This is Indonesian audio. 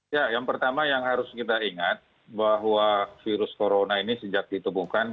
ya yang pertama yang harus kita ingat bahwa virus corona ini sejak ditemukan